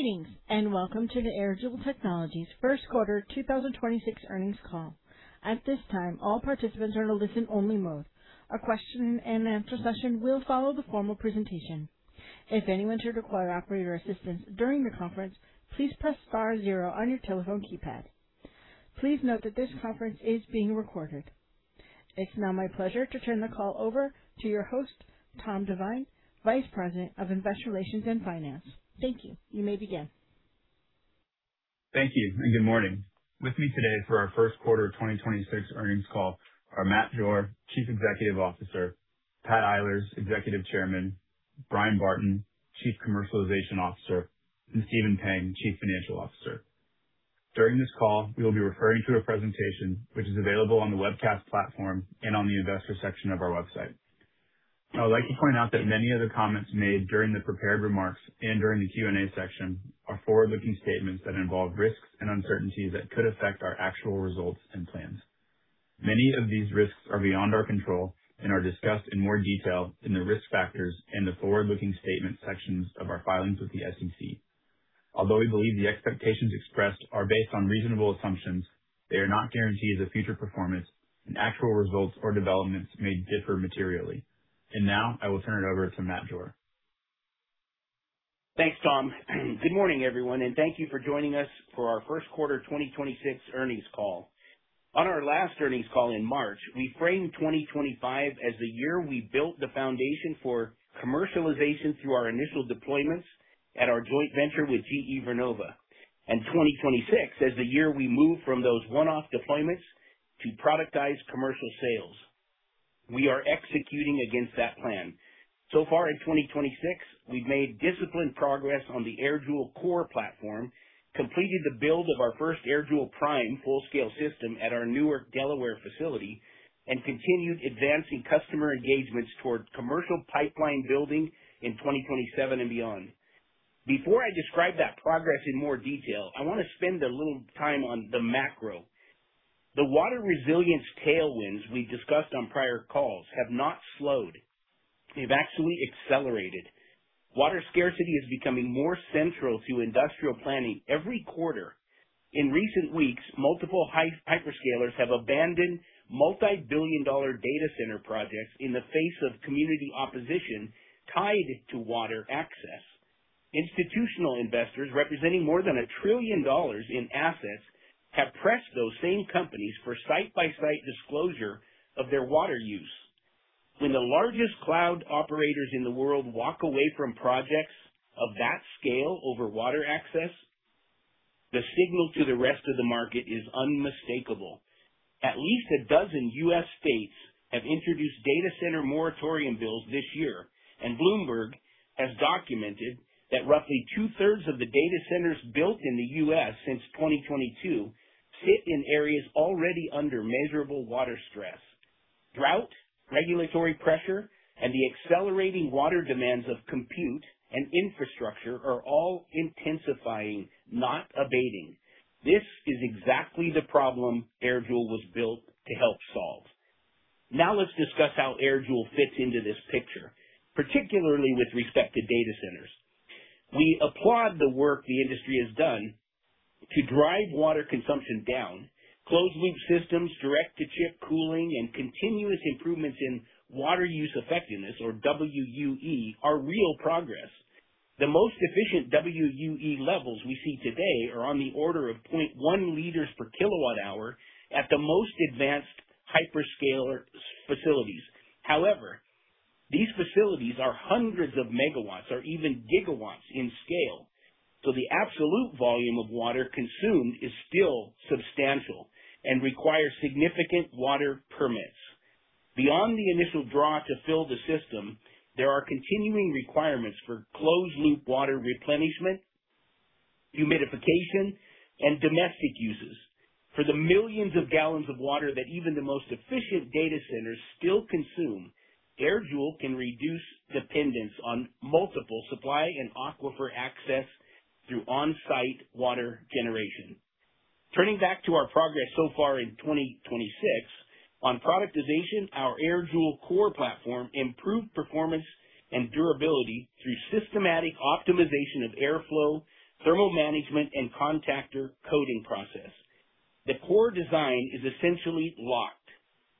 Greetings, and welcome to the AirJoule Technologies first quarter 2026 earnings call. At this time, all participants are in a listen only mode. A question-and-answer session will follow the formal presentation. Please note that this conference is being recorded. It's now my pleasure to turn the call over to your host, Tom Divine, Vice President of Investor Relations and Finance. Thank you. You may begin. Thank you and good morning. With me today for our first quarter 2026 earnings call are Matt Jore, Chief Executive Officer, Pat Eilers, Executive Chairman, Bryan Barton, Chief Commercialization Officer, and Stephen Pang, Chief Financial Officer. During this call, we will be referring to a presentation which is available on the webcast platform and on the investor section of our website. I would like to point out that many of the comments made during the prepared remarks and during the Q&A section are forward-looking statements that involve risks and uncertainties that could affect our actual results and plans. Many of these risks are beyond our control and are discussed in more detail in the Risk Factors and the Forward-Looking Statement sections of our filings with the SEC. Although we believe the expectations expressed are based on reasonable assumptions, they are not guarantees of future performance, and actual results or developments may differ materially. Now I will turn it over to Matt Jore. Thanks, Tom. Good morning, everyone, and thank you for joining us for our first quarter 2026 earnings call. On our last earnings call in March, we framed 2025 as the year we built the foundation for commercialization through our initial deployments at our joint venture with GE Vernova, and 2026 as the year we move from those one-off deployments to productized commercial sales. We are executing against that plan. Far in 2026, we've made disciplined progress on the AirJoule Core platform, completed the build of our first AirJoule Prime full-scale system at our Newark, Delaware facility, and continued advancing customer engagements toward commercial pipeline building in 2027 and beyond. Before I describe that progress in more detail, I want to spend a little time on the macro. The water resilience tailwinds we discussed on prior calls have not slowed. They've actually accelerated. Water scarcity is becoming more central to industrial planning every quarter. In recent weeks, multiple hyperscalers have abandoned multi-billion dollar data center projects in the face of community opposition tied to water access. Institutional investors representing more than $1 trillion in assets have pressed those same companies for site-by-site disclosure of their water use. When the largest cloud operators in the world walk away from projects of that scale over water access, the signal to the rest of the market is unmistakable. At least 12 U.S. states have introduced data center moratorium bills this year. Bloomberg has documented that roughly 2/3 of the data centers built in the U.S. since 2022 sit in areas already under measurable water stress. Drought, regulatory pressure, and the accelerating water demands of compute and infrastructure are all intensifying, not abating. This is exactly the problem AirJoule was built to help solve. Let's discuss how AirJoule fits into this picture, particularly with respect to data centers. We applaud the work the industry has done to drive water consumption down. Closed loop systems, direct to chip cooling, and continuous improvements in Water Use Effectiveness, or WUE, are real progress. The most efficient WUE levels we see today are on the order of 0.1 L per kilowatt hour at the most advanced hyperscaler facilities. These facilities are hundreds of megawatts or even gigawatts in scale, so the absolute volume of water consumed is still substantial and requires significant water permits. Beyond the initial draw to fill the system, there are continuing requirements for closed loop water replenishment, humidification, and domestic uses. For the millions of gallons of water that even the most efficient data centers still consume, AirJoule can reduce dependence on multiple supply and aquifer access through on-site water generation. Turning back to our progress so far in 2026. On productization, our AirJoule Core platform improved performance and durability through systematic optimization of airflow, thermal management, and contactor coating process. The core design is essentially locked.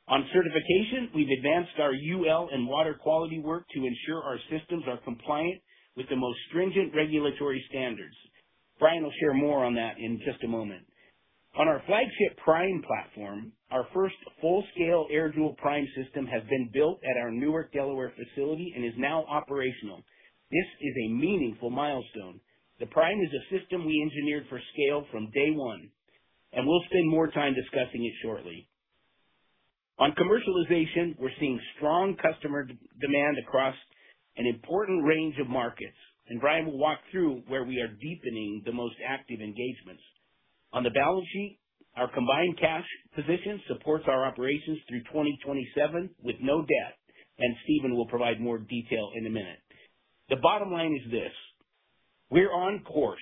On certification, we've advanced our UL and water quality work to ensure our systems are compliant with the most stringent regulatory standards. Bryan will share more on that in just a moment. On our flagship Prime platform, our first full-scale AirJoule Prime system has been built at our Newark, Delaware facility and is now operational. This is a meaningful milestone. The Prime is a system we engineered for scale from day one, and we'll spend more time discussing it shortly. On commercialization, we're seeing strong customer demand across an important range of markets, and Bryan will walk through where we are deepening the most active engagements. On the balance sheet, our combined cash position supports our operations through 2027 with no debt, and Stephen will provide more detail in a minute. The bottom line is this: We're on course.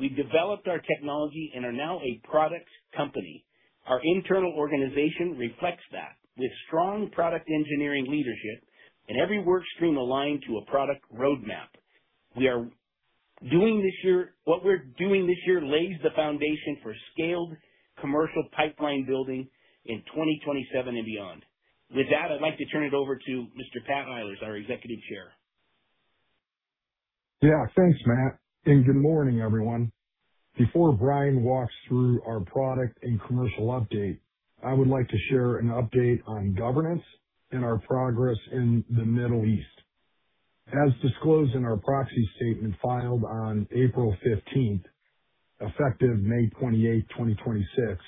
We've developed our technology and are now a product company. Our internal organization reflects that with strong product engineering leadership and every work stream aligned to a product roadmap. What we're doing this year lays the foundation for scaled commercial pipeline building in 2027 and beyond. I'd like to turn it over to Mr. Pat Eilers, our Executive Chair. Thanks, Matt, and good morning, everyone. Before Bryan walks through our product and commercial update, I would like to share an update on governance and our progress in the Middle East. As disclosed in our proxy statement filed on April 15th, effective May 28, 2026,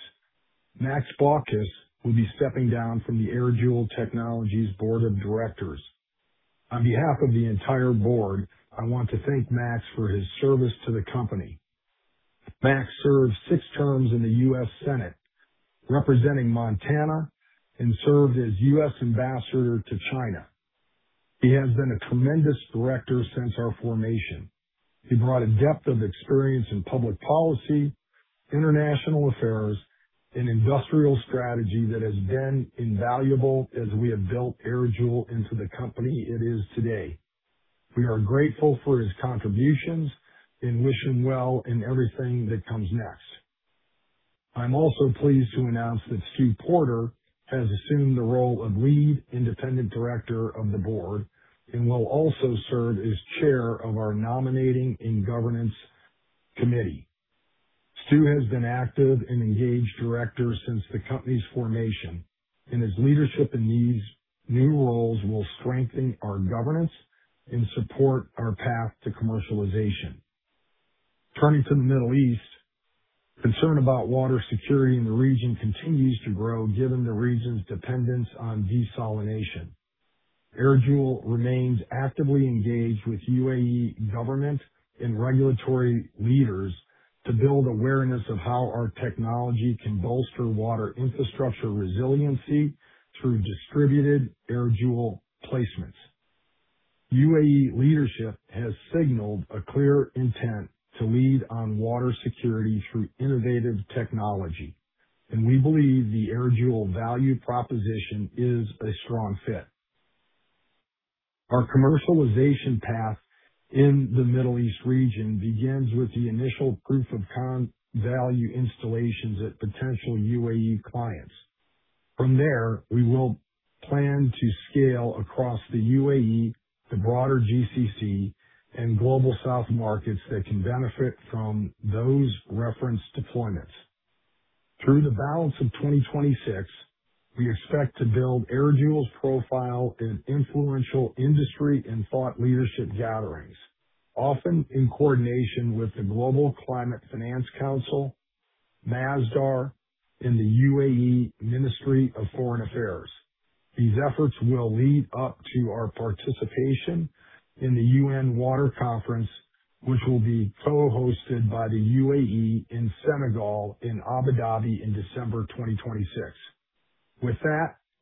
Max Baucus will be stepping down from the AirJoule Technologies Board of Directors. On behalf of the entire board, I want to thank Max for his service to the company. Max served six terms in the U.S. Senate representing Montana and served as U.S. ambassador to China. He has been a tremendous director since our formation. He brought a depth of experience in public policy, international affairs, and industrial strategy that has been invaluable as we have built AirJoule into the company it is today. We are grateful for his contributions and wish him well in everything that comes next. I'm also pleased to announce that Stu Porter has assumed the role of Lead Independent Director of the Board and will also serve as Chair of our Nominating and Governance Committee. Stu has been active and engaged director since the company's formation, and his leadership in these new roles will strengthen our governance and support our path to commercialization. Turning to the Middle East, concern about water security in the region continues to grow given the region's dependence on desalination. AirJoule remains actively engaged with U.A.E. government and regulatory leaders to build awareness of how our technology can bolster water infrastructure resiliency through distributed AirJoule placements. U.A.E. leadership has signaled a clear intent to lead on water security through innovative technology. We believe the AirJoule value proposition is a strong fit. Our commercialization path in the Middle East region begins with the initial proof of value installations at potential U.A.E. clients. We will plan to scale across the U.A.E., the broader GCC and Global South markets that can benefit from those reference deployments. Through the balance of 2026, we expect to build AirJoule's profile in influential industry and thought leadership gatherings, often in coordination with the Global Climate Finance Centre, Masdar and the UAE Ministry of Foreign Affairs. These efforts will lead up to our participation in the UN Water Conference, which will be co-hosted by the U.A.E. in Senegal, in Abu Dhabi in December 2026.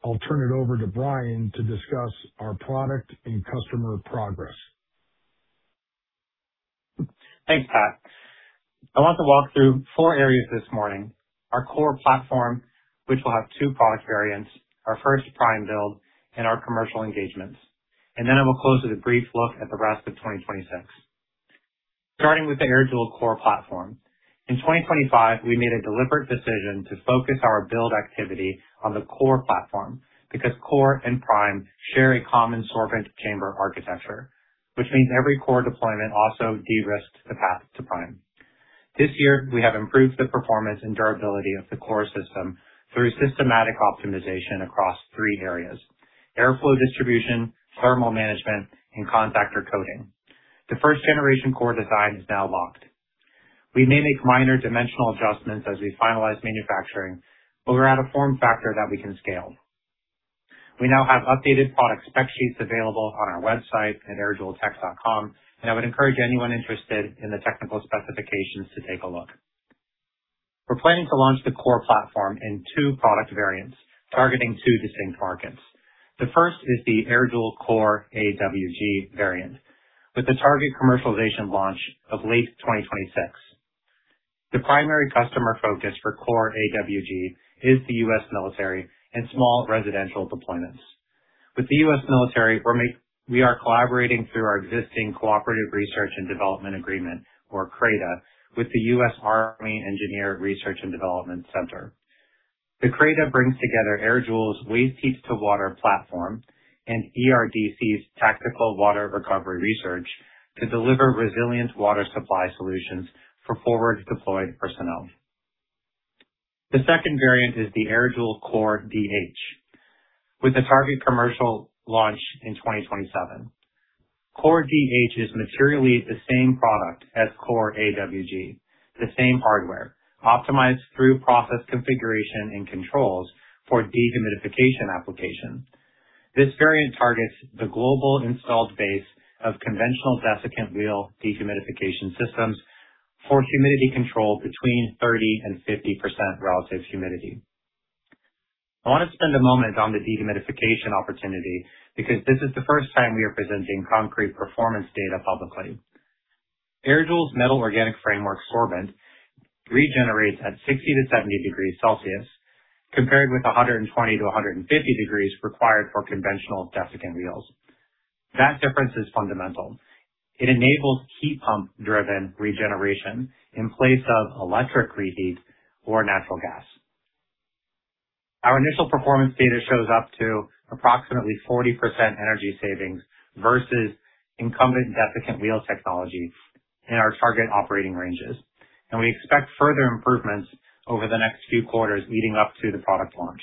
I'll turn it over to Bryan to discuss our product and customer progress. Thanks, Pat. I want to walk through four areas this morning, our AirJoule Core platform, which will have two product variants, our first AirJoule Prime build and our commercial engagements. Then I will close with a brief look at the rest of 2026. Starting with the AirJoule Core platform, in 2025, we made a deliberate decision to focus our build activity on the AirJoule Core platform because AirJoule Core and AirJoule Prime share a common sorbent chamber architecture, which means every AirJoule Core deployment also de-risks the path to AirJoule Prime. This year, we have improved the performance and durability of the AirJoule Core system through systematic optimization across three areas, airflow distribution, thermal management, and contactor coating. The first generation AirJoule Core design is now locked. We may make minor dimensional adjustments as we finalize manufacturing, but we are at a form factor that we can scale. We now have updated product spec sheets available on our website at airjouletech.com, and I would encourage anyone interested in the technical specifications to take a look. We're planning to launch the Core platform in two product variants targeting two distinct markets. The first is the AirJoule Core AWG variant with the target commercialization launch of late 2026. The primary customer focus for Core AWG is the U.S. military and small residential deployments. With the U.S. military, we are collaborating through our existing Cooperative Research and Development Agreement, or CRADA, with the U.S. Army Engineer Research and Development Center. The CRADA brings together AirJoule's waste heat to water platform and ERDC's tactical water recovery research to deliver resilient water supply solutions for forward deployed personnel. The second variant is the AirJoule Core DH with the target commercial launch in 2027. Core DH is materially the same product as Core AWG. The same hardware optimized through process configuration and controls for dehumidification application. This variant targets the global installed base of conventional desiccant wheel dehumidification systems for humidity control between 30% and 50% relative humidity. I want to spend a moment on the dehumidification opportunity because this is the first time we are presenting concrete performance data publicly. AirJoule's metal-organic framework sorbent regenerates at 60 to 70 degrees Celsius compared with 120 to 150 degrees required for conventional desiccant wheels. That difference is fundamental. It enables heat pump-driven regeneration in place of electric reheat or natural gas. Our initial performance data shows up to approximately 40% energy savings versus incumbent desiccant wheel technology in our target operating ranges, and we expect further improvements over the next few quarters leading up to the product launch.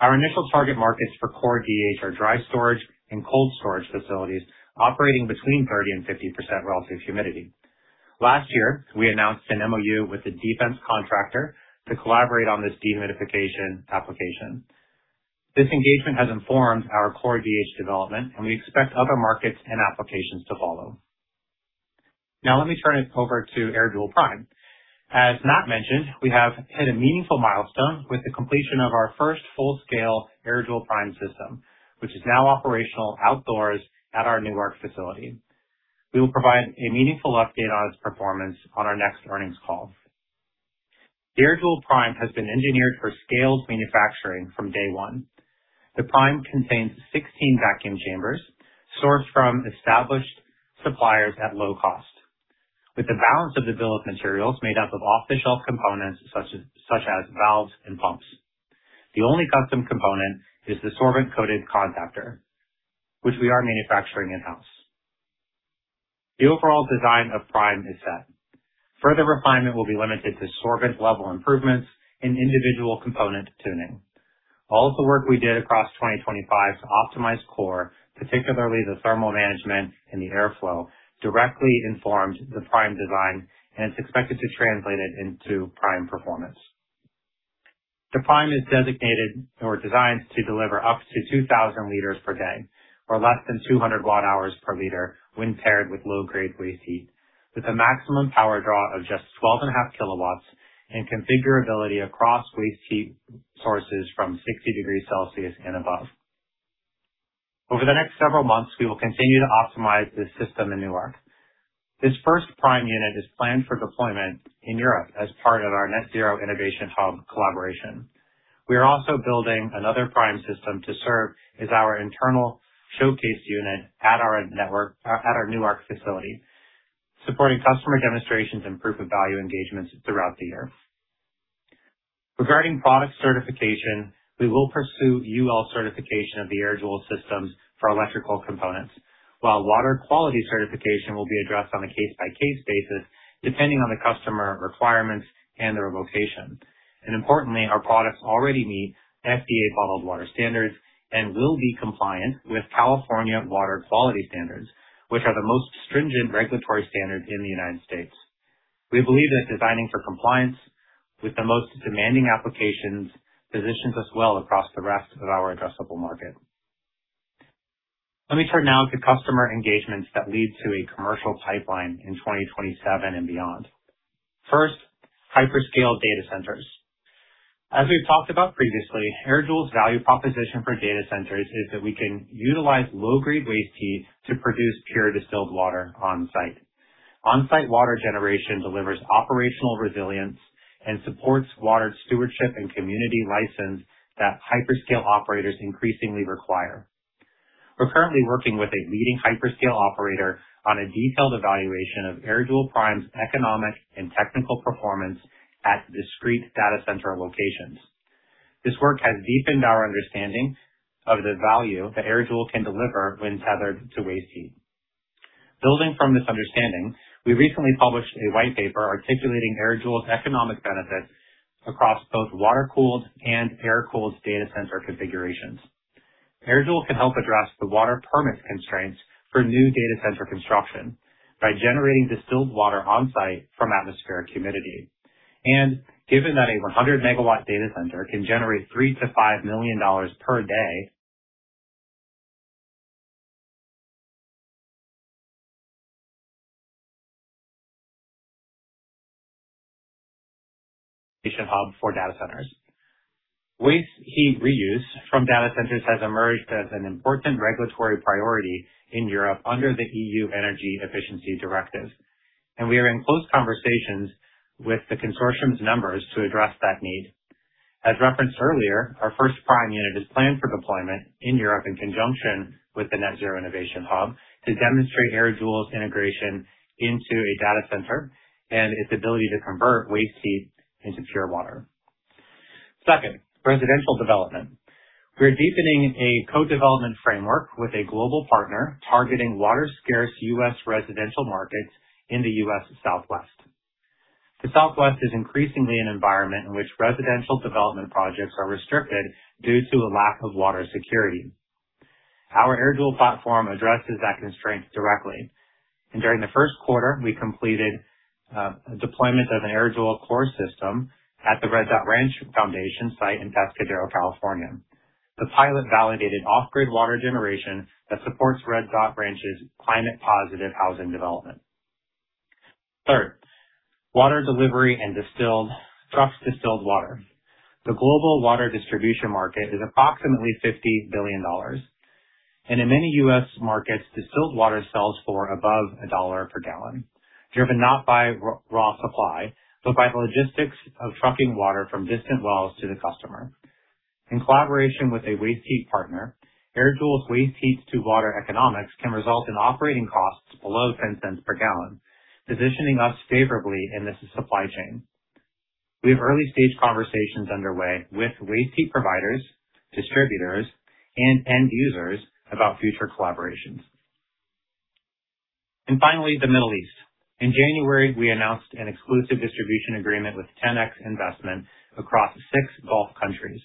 Our initial target markets for Core DH are dry storage and cold storage facilities operating between 30% and 50% relative humidity. Last year, we announced an MOU with a defense contractor to collaborate on this dehumidification application. This engagement has informed our Core DH development, and we expect other markets and applications to follow. Now let me turn it over to AirJoule Prime. As Matt mentioned, we have hit a meaningful milestone with the completion of our first full-scale AirJoule Prime system, which is now operational outdoors at our Newark facility. We will provide a meaningful update on its performance on our next earnings call. The AirJoule Prime has been engineered for scaled manufacturing from day one. The Prime contains 16 vacuum chambers sourced from established suppliers at low cost, with the balance of the bill of materials made up of off-the-shelf components such as valves and pumps. The only custom component is the sorbent-coated contactor, which we are manufacturing in-house. The overall design of Prime is set. Further refinement will be limited to sorbent level improvements and individual component tuning. All of the work we did across 2025 to optimize Core, particularly the thermal management and the airflow, directly informed the Prime design and is expected to translate it into Prime performance. The Prime is designated or designed to deliver up to 2,000 L per day or less than 200 Wh per liter when paired with low-grade waste heat, with a maximum power draw of just 12.5 kW and configurability across waste heat sources from 60 degrees Celsius and above. Over the next several months, we will continue to optimize this system in Newark. This first Prime unit is planned for deployment in Europe as part of our Net Zero Innovation Hub collaboration. We are also building another Prime system to serve as our internal showcase unit at our Newark facility, supporting customer demonstrations and proof of value engagements throughout the year. Regarding product certification, we will pursue UL certification of the AirJoule systems for electrical components, while water quality certification will be addressed on a case-by-case basis, depending on the customer requirements and their location. Importantly, our products already meet FDA bottled water standards and will be compliant with California water quality standards, which are the most stringent regulatory standards in the U.S. We believe that designing for compliance with the most demanding applications positions us well across the rest of our addressable market. Let me turn now to customer engagements that lead to a commercial pipeline in 2027 and beyond. First, hyperscale data centers. As we've talked about previously, AirJoule's value proposition for data centers is that we can utilize low-grade waste heat to produce pure distilled water on-site. On-site water generation delivers operational resilience and supports water stewardship and community license that hyperscale operators increasingly require. We're currently working with a leading hyperscale operator on a detailed evaluation of AirJoule Prime's economic and technical performance at discrete data center locations. This work has deepened our understanding of the value that AirJoule can deliver when tethered to waste heat. Building from this understanding, we recently published a white paper articulating AirJoule's economic benefits across both water-cooled and air-cooled data center configurations. AirJoule can help address the water permit constraints for new data center construction by generating distilled water on-site from atmospheric humidity. Given that a 100 MW data center can generate $3 million-$5 million per day, Net Zero Innovation Hub for Data Centers. Waste heat reuse from data centers has emerged as an important regulatory priority in Europe under the EU Energy Efficiency Directive, and we are in close conversations with the consortium's members to address that need. As referenced earlier, our first Prime unit is planned for deployment in Europe in conjunction with the Net Zero Innovation Hub to demonstrate AirJoule's integration into a data center and its ability to convert waste heat into pure water. Second, residential development. We are deepening a co-development framework with a global partner targeting water-scarce U.S. residential markets in the U.S. Southwest. The Southwest is increasingly an environment in which residential development projects are restricted due to a lack of water security. Our AirJoule platform addresses that constraint directly, and during the first quarter, we completed deployment of an AirJoule Core system at the Red Dot Ranch Foundation site in Pescadero, California. The pilot validated off-grid water generation that supports Red Dot Ranch's climate positive housing development. Third, water delivery and truck distilled water. The global water distribution market is approximately $50 billion, and in many U.S. markets, distilled water sells for above $1 per gallon, driven not by raw supply, but by the logistics of trucking water from distant wells to the customer. In collaboration with a waste heat partner, AirJoule's waste heat to water economics can result in operating costs below $0.10 per gallon, positioning us favorably in this supply chain. We have early-stage conversations underway with waste heat providers, distributors, and end users about future collaborations. Finally, the Middle East. In January, we announced an exclusive distribution agreement with TenX Investment across six Gulf countries: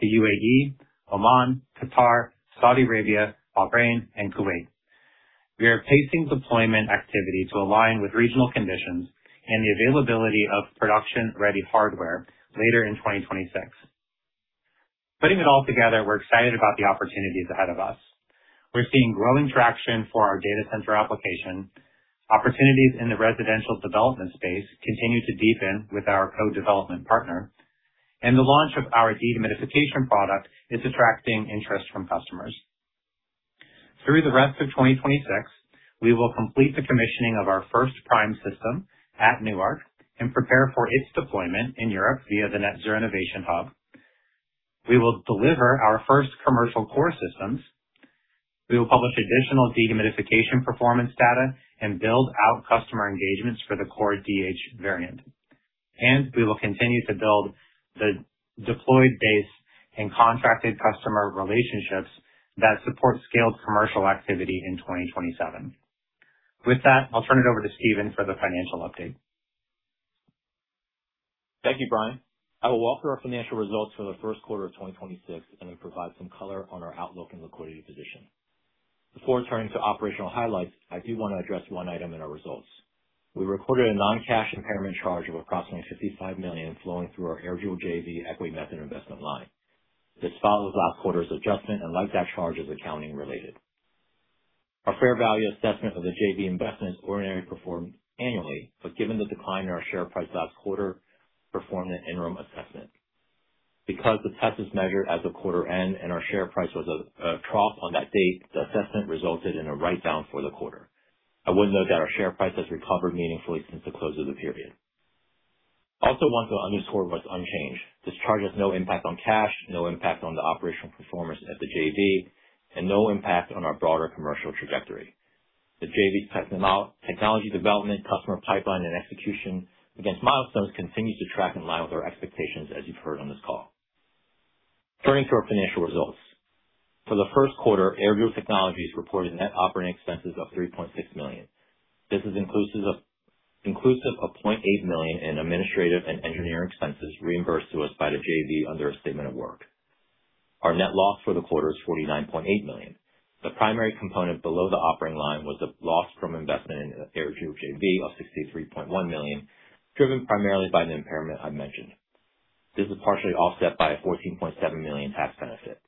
the U.A.E., Oman, Qatar, Saudi Arabia, Bahrain and Kuwait. We are pacing deployment activity to align with regional conditions and the availability of production-ready hardware later in 2026. Putting it all together, we're excited about the opportunities ahead of us. We're seeing growing traction for our data center application. Opportunities in the residential development space continue to deepen with our co-development partner, and the launch of our dehumidification product is attracting interest from customers. Through the rest of 2026, we will complete the commissioning of our first Prime system at Newark and prepare for its deployment in Europe via the Net Zero Innovation Hub. We will deliver our first commercial Core systems. We will publish additional dehumidification performance data and build out customer engagements for the Core DH variant. We will continue to build the deployed base and contracted customer relationships that support scaled commercial activity in 2027. With that, I'll turn it over to Stephen for the financial update. Thank you, Bryan. I will walk through our financial results for the first quarter of 2026, and then provide some color on our outlook and liquidity position. Before turning to operational highlights, I do want to address one item in our results. We recorded a non-cash impairment charge of approximately $55 million flowing through our AirJoule JV equity method investment line. This follows last quarter's adjustment, and like that charge, is accounting related. Our fair value assessment of the JV investment is ordinarily performed annually, but given the decline in our share price last quarter, performed an interim assessment. Because the test is measured as of quarter end and our share price was at a trough on that date, the assessment resulted in a write down for the quarter. I would note that our share price has recovered meaningfully since the close of the period. I also want to underscore what's unchanged. This charge has no impact on cash, no impact on the operational performance at the JV, and no impact on our broader commercial trajectory. The JV's technology development, customer pipeline, and execution against milestones continues to track in line with our expectations, as you've heard on this call. Turning to our financial results. For the first quarter, AirJoule Technologies reported net operating expenses of $3.6 million. This is inclusive of $0.8 million in administrative and engineering expenses reimbursed to us by the JV under a statement of work. Our net loss for the quarter is $49.8 million. The primary component below the operating line was a loss from investment in AirJoule JV of $63.1 million, driven primarily by the impairment I mentioned. This is partially offset by a $14.7 million tax benefit.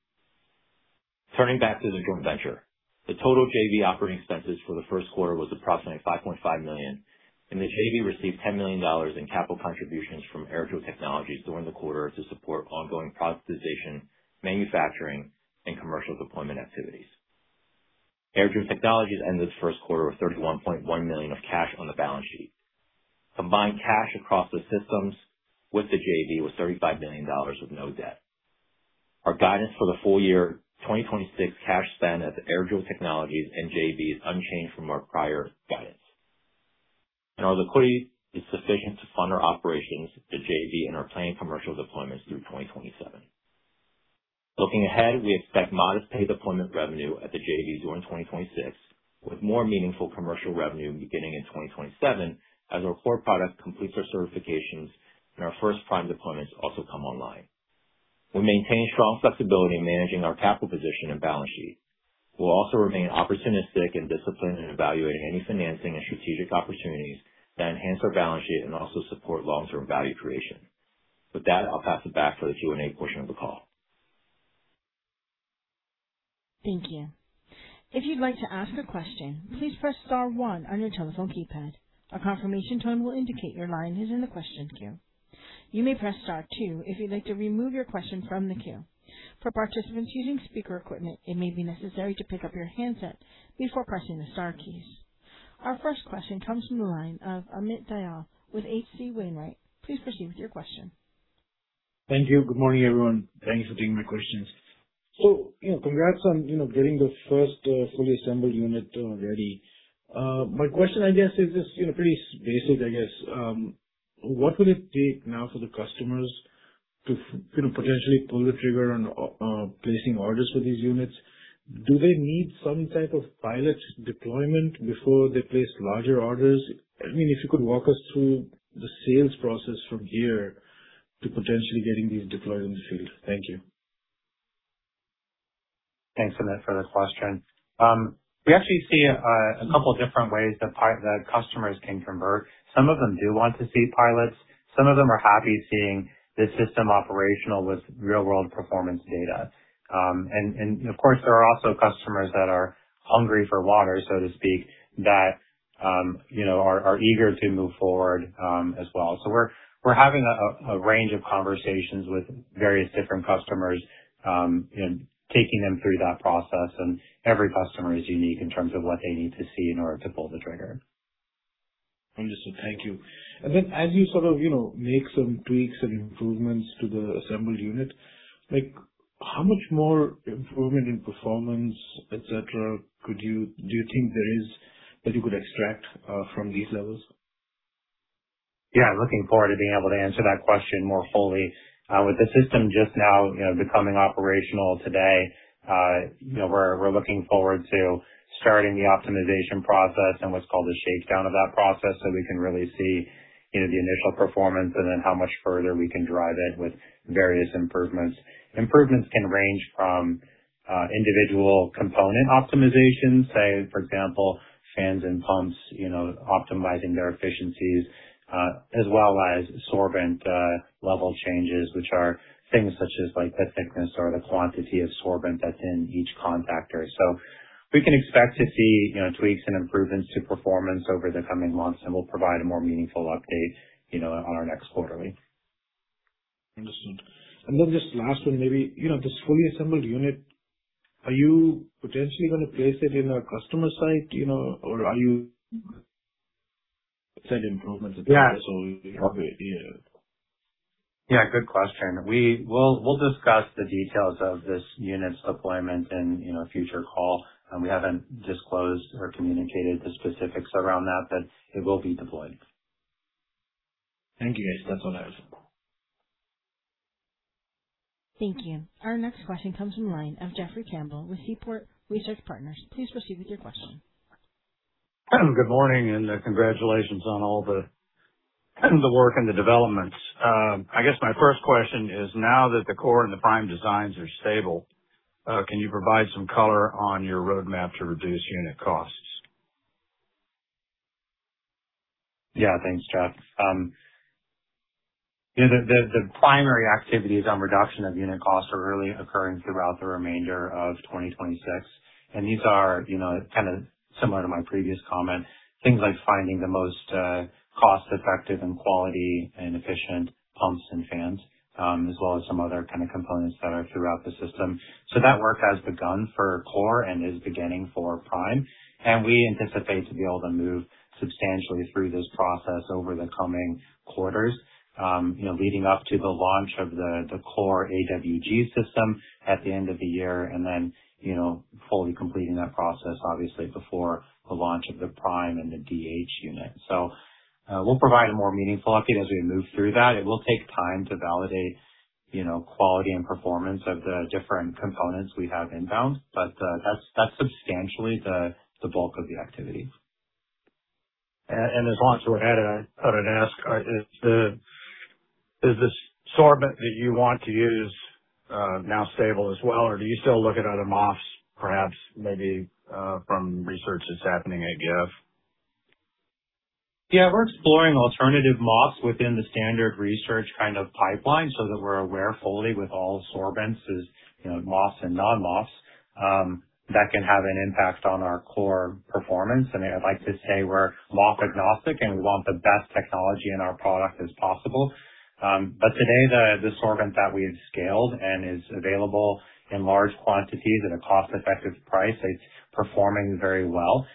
Turning back to the joint venture, the total JV operating expenses for the first quarter was approximately $5.5 million, and the JV received $10 million in capital contributions from AirJoule Technologies during the quarter to support ongoing productization, manufacturing, and commercial deployment activities. AirJoule Technologies ended the first quarter with $31.1 million of cash on the balance sheet. Combined cash across the systems with the JV was $35 million with no debt. Our guidance for the full year 2026 cash spend at the AirJoule Technologies and JV is unchanged from our prior guidance. Our liquidity is sufficient to fund our operations, the JV, and our planned commercial deployments through 2027. Looking ahead, we expect modest paid deployment revenue at the JV during 2026, with more meaningful commercial revenue beginning in 2027 as our Core product completes our certifications and our first Prime deployments also come online. We maintain strong flexibility in managing our capital position and balance sheet. We'll also remain opportunistic and disciplined in evaluating any financing and strategic opportunities that enhance our balance sheet and also support long-term value creation. With that, I'll pass it back for the Q&A portion of the call. Thank you. If you'd like to ask a question, please first star one on your telephone keypad. A confirmation tone will indicate your line is in the question queue. You may press star two if you'd like to remove your question from the queue. For participants using speaker equipment, it may be necessary to pick up your handset before pressing the star keys. Our first question comes from the line of Amit Dayal with H.C. Wainwright. Please proceed with your question. Thank you. Good morning, everyone. Thanks for taking my questions. You know, congrats on, you know, getting the first fully assembled unit ready. My question, I guess, is just, you know, pretty basic, I guess. What will it take now for the customers to you know, potentially pull the trigger on placing orders for these units? Do they need some type of pilot deployment before they place larger orders? I mean, if you could walk us through the sales process from here to potentially getting these deployed in the field. Thank you. Thanks, Amit, for the question. We actually see a couple different ways that customers can convert. Some of them do want to see pilots. Some of them are happy seeing the system operational with real-world performance data. Of course, there are also customers that are hungry for water, so to speak, you know, are eager to move forward as well. We're having a range of conversations with various different customers, you know, taking them through that process. Every customer is unique in terms of what they need to see in order to pull the trigger. Understood. Thank you. As you sort of, you know, make some tweaks and improvements to the assembled unit, like how much more improvement in performance, et cetera, do you think there is that you could extract from these levels? Yeah, looking forward to being able to answer that question more fully. With the system just now, you know, becoming operational today, you know, we're looking forward to starting the optimization process and what's called a shakedown of that process so we can really see, you know, the initial performance and then how much further we can drive it with various improvements. Improvements can range from individual component optimization, say for example, fans and pumps, you know, optimizing their efficiencies, as well as sorbent level changes, which are things such as like the thickness or the quantity of sorbent that's in each contactor. We can expect to see, you know, tweaks and improvements to performance over the coming months, and we'll provide a more meaningful update, you know, on our next quarterly. Understood. Just last one, maybe, you know, this fully assembled unit, are you potentially gonna place it in a customer site, you know? Yeah. You upgrade, you know? Yeah, good question. We'll discuss the details of this unit's deployment in, you know, a future call, and we haven't disclosed or communicated the specifics around that, but it will be deployed. Thank you, guys. That's all I have. Thank you. Our next question comes from line of Jeffrey Campbell with Seaport Research Partners. Please proceed with your question. Good morning and congratulations on all the work and the developments. I guess my first question is, now that the Core and the Prime designs are stable, can you provide some color on your roadmap to reduce unit costs? Yeah, thanks, Jeff. You know, the primary activities on reduction of unit costs are really occurring throughout the remainder of 2026. These are, you know, kind of similar to my previous comment, things like finding the most cost-effective and quality and efficient pumps and fans, as well as some other kind of components that are throughout the system. That work has begun for Core and is beginning for Prime, and we anticipate to be able to move substantially through this process over the coming quarters, you know, leading up to the launch of the Core AWG system at the end of the year and then, you know, fully completing that process obviously before the launch of the Prime and the DH unit. We'll provide a more meaningful update as we move through that. It will take time to validate, you know, quality and performance of the different components we have inbound, but, that's substantially the bulk of the activity. As long as we're at it, I would ask, is the sorbent that you want to use now stable as well, or do you still look at other MOFs perhaps maybe from research that's happening at GIF? Yeah, we're exploring alternative MOFs within the standard research kind of pipeline so that we're aware fully with all sorbents is, you know, MOFs and non-MOFs, that can have an impact on our core performance. I'd like to say we're MOF agnostic, and we want the best technology in our product as possible. Today the sorbent that we've scaled and is available in large quantities at a cost-effective price, it's performing very well.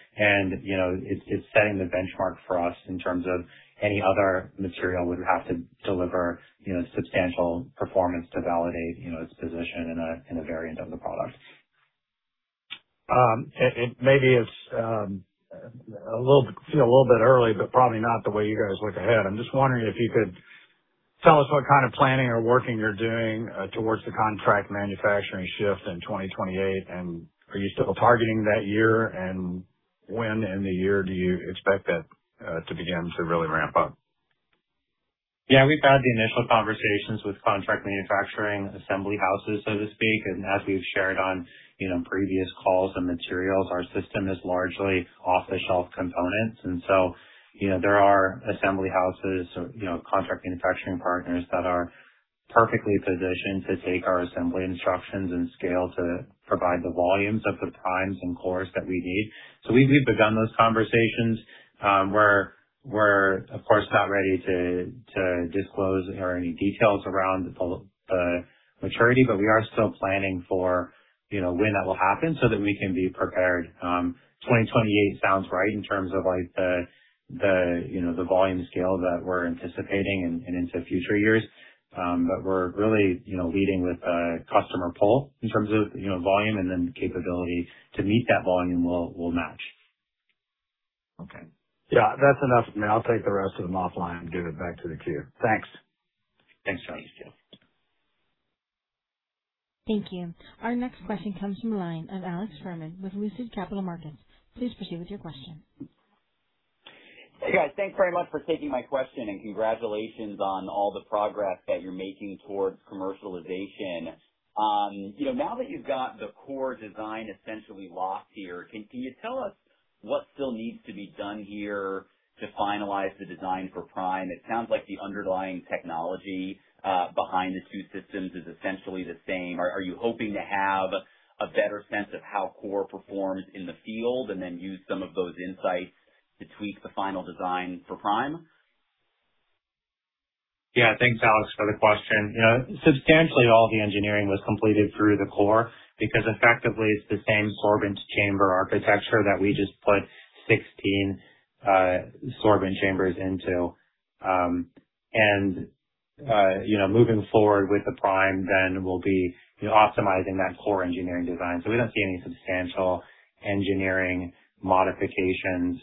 You know, it's setting the benchmark for us in terms of any other material would have to deliver, you know, substantial performance to validate, you know, its position in a, in a variant of the product. It may be it's a little, you know, a little bit early, but probably not the way you guys look ahead. I'm just wondering if you could tell us what kind of planning or working you're doing towards the contract manufacturing shift in 2028. Are you still targeting that year? When in the year do you expect that to begin to really ramp up? Yeah, we've had the initial conversations with contract manufacturing assembly houses, so to speak. As we've shared on, you know, previous calls and materials, our system is largely off-the-shelf components. So, you know, there are assembly houses or, you know, contract manufacturing partners that are perfectly positioned to take our assembly instructions and scale to provide the volumes of the Primes and Cores that we need. We've begun those conversations. We're of course not ready to disclose or any details around the full maturity, but we are still planning for, you know, when that will happen so that we can be prepared. 2028 sounds right in terms of like the, you know, the volume scale that we're anticipating and into future years. We're really, you know, leading with customer pull in terms of, you know, volume and then capability to meet that volume will match. Okay. Yeah, that's enough for me. I'll take the rest of them offline and give it back to the queue. Thanks. Thanks, Jeff. Thank you. Our next question comes from the line of Alex Fuhrman with Lucid Capital Markets. Please proceed with your question. Hey, guys. Thanks very much for taking my question and congratulations on all the progress that you're making towards commercialization. You know, now that you've got the Core design essentially locked here, can you tell us what still needs to be done here to finalize the design for Prime, it sounds like the underlying technology behind the two systems is essentially the same. Are you hoping to have a better sense of how Core performs in the field and then use some of those insights to tweak the final design for Prime? Thanks, Alex, for the question. You know, substantially all the engineering was completed through the Core because effectively it's the same sorbent chamber architecture that we just put 16 sorbent chambers into. You know, moving forward with the Prime we'll be, you know, optimizing that core engineering design. We don't see any substantial engineering modifications.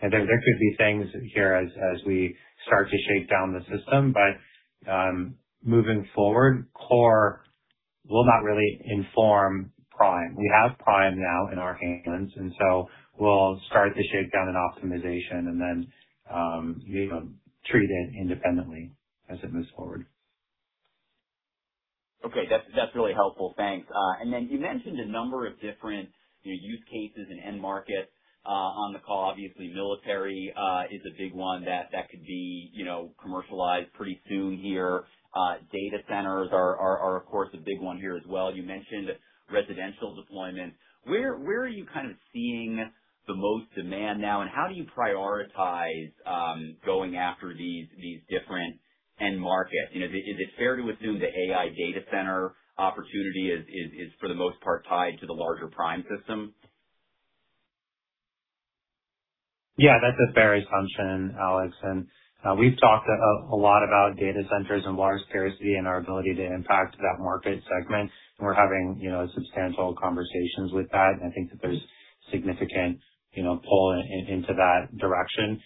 There could be things here as we start to shake down the system, moving forward, Core will not really inform Prime. We have Prime now in our hands, we'll start to shake down an optimization and, you know, treat it independently as it moves forward. Okay. That's really helpful. Thanks. Then you mentioned a number of different, you know, use cases and end markets on the call. Obviously, military is a big one that could be, you know, commercialized pretty soon here. Data centers are of course a big one here as well. You mentioned residential deployment. Where are you kind of seeing the most demand now, and how do you prioritize going after these different end markets? You know, is it fair to assume the AI data center opportunity is for the most part tied to the larger Prime system? Yeah, that's a fair assumption, Alex Fuhrman. We've talked a lot about data centers and water scarcity and our ability to impact that market segment, and we're having, you know, substantial conversations with that. I think that there's significant, you know, pull into that direction.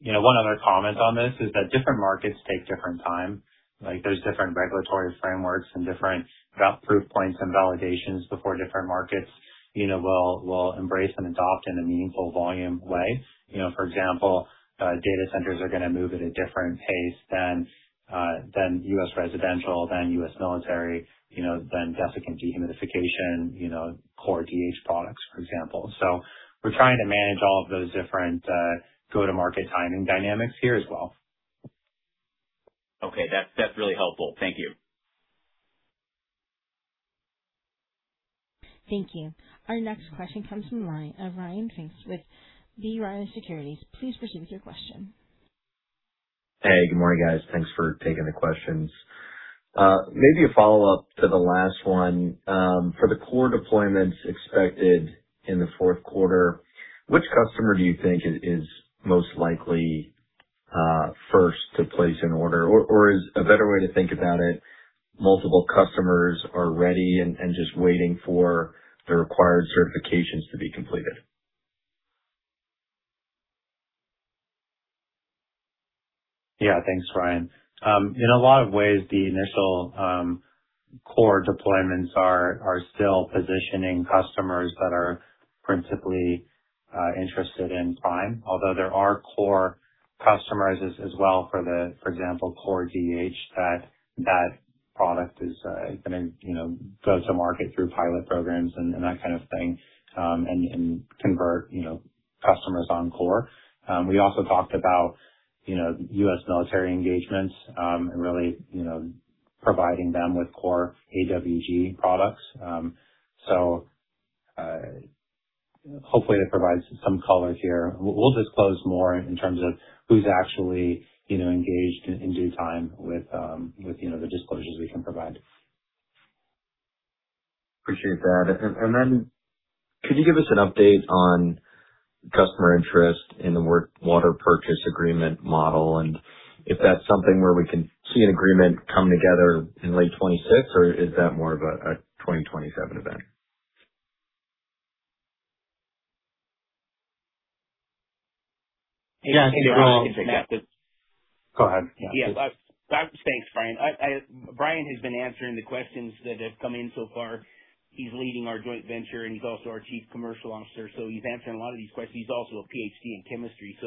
You know, one other comment on this is that different markets take different time. Like, there's different regulatory frameworks and different route proof points and validations before different markets, you know, will embrace and adopt in a meaningful volume way. You know, for example, data centers are gonna move at a different pace than U.S. residential, than U.S. military, you know, than desiccant dehumidification, you know, AirJoule Core DH products, for example. We're trying to manage all of those different go-to-market timing dynamics here as well. Okay. That's really helpful. Thank you. Thank you. Our next question comes from the line of Ryan Pfingst with B. Riley Securities. Please proceed with your question. Hey, good morning, guys. Thanks for taking the questions. Maybe a follow-up to the last one. For the Core deployments expected in the fourth quarter, which customer do you think is most likely first to place an order? Or is a better way to think about it, multiple customers are ready and just waiting for the required certifications to be completed? Thanks, Ryan. In a lot of ways, the initial Core deployments are still positioning customers that are principally interested in Prime, although there are Core customers as well for the, for example, Core DH that that product is gonna, you know, go to market through pilot programs and that kind of thing, and convert, you know, customers on Core. We also talked about, you know, U.S. military engagements, and really, you know, providing them with Core AWG products. Hopefully that provides some color here. We'll disclose more in terms of who's actually, you know, engaged in due time with, you know, the disclosures we can provide. Appreciate that. Could you give us an update on customer interest in the water purchase agreement model and if that's something where we can see an agreement come together in late 2026 or is that more of a 2027 event? Yeah Go ahead. Yeah. Thanks, Bryan. Bryan has been answering the questions that have come in so far. He's leading our joint venture and he's also our Chief Commercialization Officer. He's answering a lot of these questions. He's also a Ph.D. in chemistry.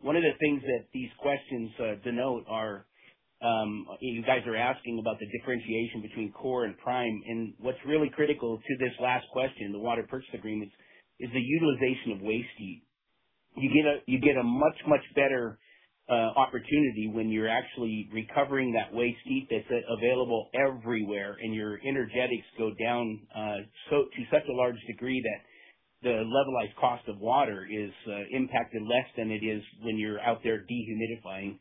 One of the things that these questions denote are, you guys are asking about the differentiation between Core and Prime. What's really critical to this last question, the water purchase agreements, is the utilization of waste heat. You get a much, much better opportunity when you're actually recovering that waste heat that's available everywhere and your energetics go down to such a large degree that the levelized cost of water is impacted less than it is when you're out there dehumidifying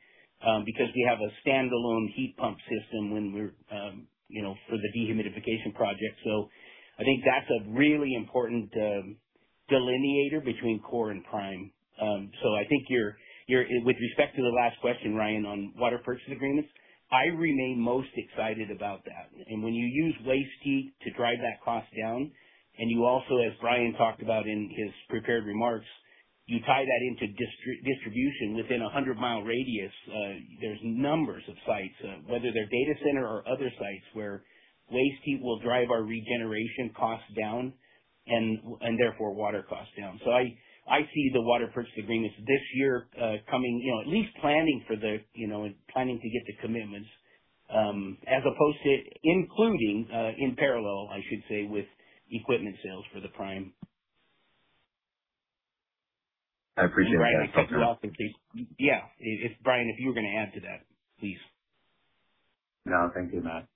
because we have a standalone heat pump system when we're, you know, for the dehumidification project. I think that's a really important delineator between Core and Prime. I think with respect to the last question, Ryan, on water purchase agreements, I remain most excited about that. When you use waste heat to drive that cost down, you also, as Bryan talked about in his prepared remarks, you tie that into distribution within a 100 mi radius, there's numbers of sites, whether they're data center or other sites, where waste heat will drive our regeneration costs down and therefore water costs down. I see the water purchase agreements this year, coming, you know, at least planning for the, you know, planning to get to commitments, as opposed to including, in parallel, I should say, with equipment sales for the Prime. I appreciate that. Bryan, I cut you off in case yeah, if Bryan, if you were gonna add to that, please. No, thank you, Matt.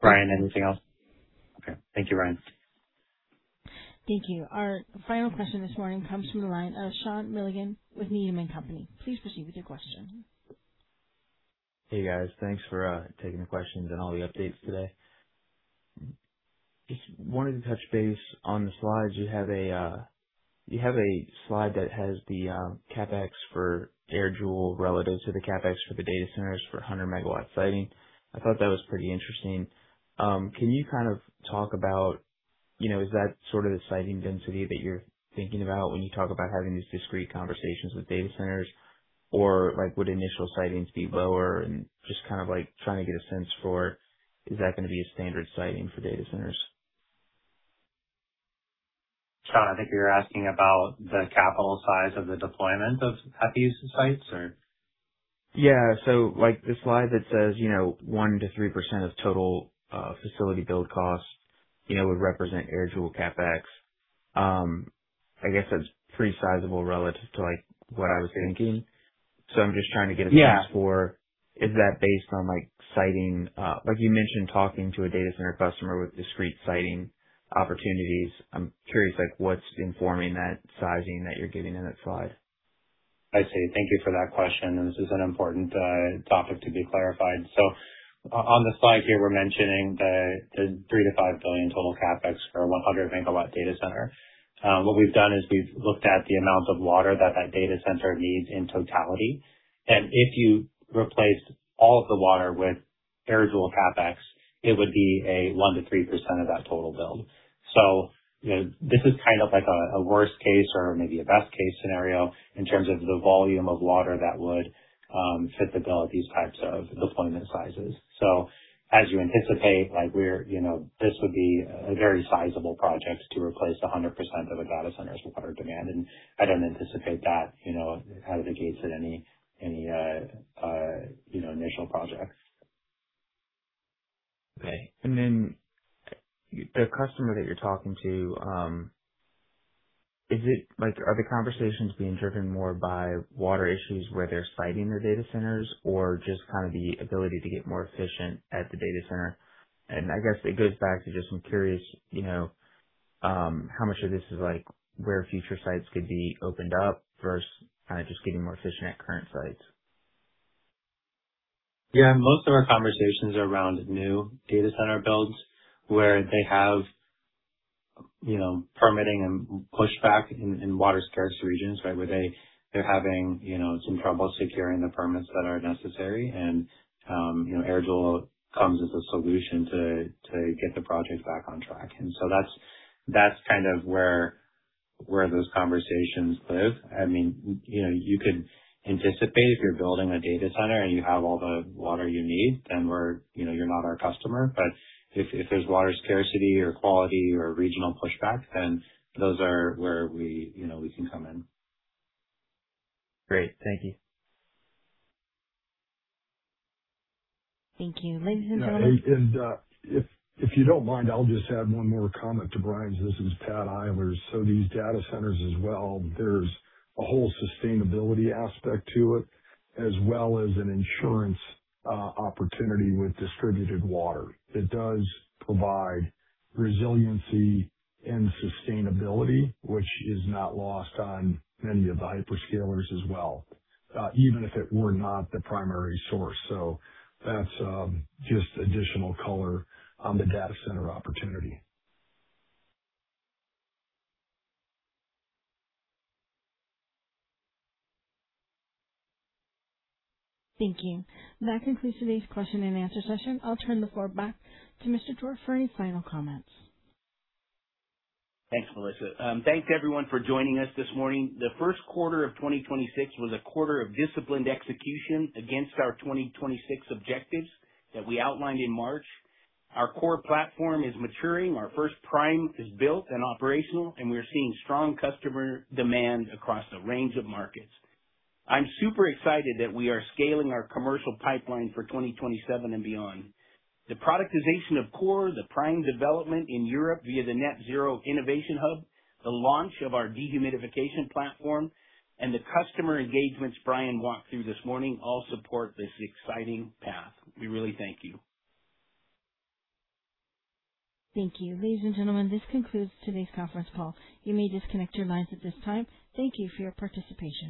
Bryan, anything else? Okay. Thank you, Bryan. Thank you. Our final question this morning comes from the line of Sean Milligan with Needham & Company. Please proceed with your question. Hey, guys. Thanks for taking the questions and all the updates today. Just wanted to touch base on the slides. You have a slide that has the CapEx for AirJoule relative to the CapEx for the data centers for a 100 MW siting. I thought that was pretty interesting. Can you kind of talk about, you know, is that sort of the siting density that you're thinking about when you talk about having these discrete conversations with data centers? Like, would initial sitings be lower? Just kind of, like, trying to get a sense for is that gonna be a standard siting for data centers. Sean, I think you're asking about the capital size of the deployment of AWG sites or? Yeah. Like the slide that says, you know, 1%-3% of total facility build cost, you know, would represent AirJoule CapEx. I guess that's pretty sizable relative to, like, what I was thinking. Yeah. Is that based on, like, siting, like you mentioned talking to a data center customer with discrete siting opportunities? I'm curious, like, what's informing that sizing that you're giving in that slide? I see. Thank you for that question. This is an important topic to be clarified. On the slide here, we're mentioning the $3 billion-$5 billion total CapEx for 100 MW data center. What we've done is we've looked at the amount of water that data center needs in totality. If you replaced all of the water with AirJoule CapEx, it would be a 1%-3% of that total build. You know, this is kind of like a worst case or maybe a best case scenario in terms of the volume of water that would fit the bill at these types of deployment sizes. As you anticipate, you know, this would be a very sizable project to replace 100% of a data center's water demand. I don't anticipate that, you know, out of the gates at any, you know, initial projects. Okay. The customer that you're talking to, is it like, are the conversations being driven more by water issues where they're siting their data centers or just kind of the ability to get more efficient at the data center? It goes back to just I'm curious, you know, how much of this is like where future sites could be opened up versus kinda just getting more efficient at current sites? Yeah. Most of our conversations are around new data center builds where they have, you know, permitting and pushback in water scarce regions, right? Where they're having, you know, some trouble securing the permits that are necessary. You know, AirJoule comes as a solution to get the project back on track. That's kind of where those conversations live. I mean, you know, you could anticipate if you're building a data center and you have all the water you need, then, you know, you're not our customer. If there's water scarcity or quality or regional pushback, then those are where we, you know, we can come in. Great. Thank you. Thank you. Ladies and gentlemen. If you don't mind, I'll just add one more comment to Bryan's. This is Pat Eilers. These data centers as well, there's a whole sustainability aspect to it as well as an insurance opportunity with distributed water. It does provide resiliency and sustainability, which is not lost on many of the hyperscalers as well, even if it were not the primary source. That's just additional color on the data center opportunity. Thank you. That concludes today's question-and-answer session. I'll turn the floor back to Mr. Jore for any final comments. Thanks, Melissa. Thanks everyone for joining us this morning. The first quarter of 2026 was a quarter of disciplined execution against our 2026 objectives that we outlined in March. Our Core platform is maturing. Our first Prime is built and operational. We are seeing strong customer demand across a range of markets. I'm super excited that we are scaling our commercial pipeline for 2027 and beyond. The productization of Core, the Prime development in Europe via the Net Zero Innovation Hub, the launch of our dehumidification platform, and the customer engagements Bryan walked through this morning all support this exciting path. We really thank you. Thank you. Ladies and gentlemen, this concludes today's conference call. You may disconnect your lines at this time. Thank you for your participation.